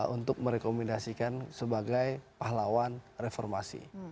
untuk merekomendasikan sebagai pahlawan reformasi